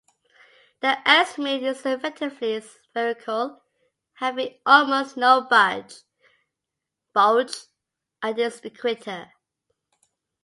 The Earth's Moon is effectively spherical, having almost no bulge at its equator.